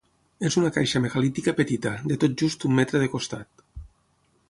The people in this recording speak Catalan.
És una caixa megalítica petita, de tot just un metre de costat.